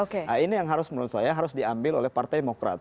nah ini yang harus menurut saya harus diambil oleh partai demokrat